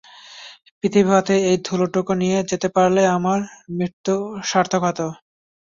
পৃথিবী হতে ঐ ধুলোটুকু নিয়ে যেতে পারলে আমার মৃত্যু সার্থক হত।